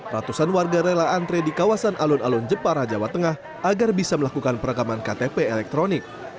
ratusan warga rela antre di kawasan alun alun jepara jawa tengah agar bisa melakukan perekaman ktp elektronik